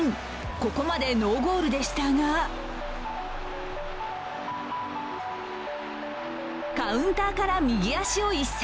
ここまでノーゴールでしたがカウンターから右足を一閃。